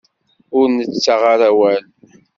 Ur nettaɣ ara awal.